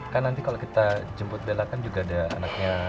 kan nanti kalau kita jemput bela kan juga ada anaknya